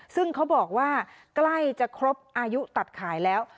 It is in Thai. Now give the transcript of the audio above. ซึ่งเขาบอกว่าใกล้จะครบอายุตัดขายแล้ว